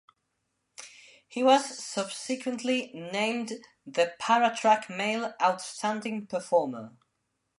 He was subsequently named the para track male outstanding performer.